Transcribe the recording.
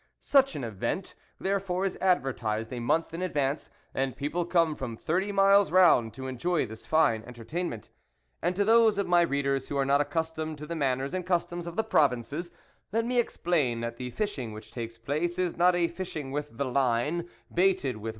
Such an event therefore is advertised a month in ad vance, and people come from thirty miles round to enjoy this fine entertainment. And to those of my readers who are not accustomed to the manners and customs of the provinces, let me explain that the fishing which takes place is not a fishing with the line, baited witii..